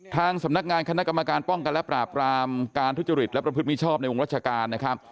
ทางสำนักงานคณะกรรมการป้องกันและปราบรามการทุจริตและประพฤติมิชชอบในวงราชการนะครับ